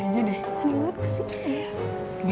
ini banget kesini ya